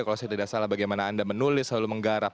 kalau saya tidak salah bagaimana anda menulis selalu menggarap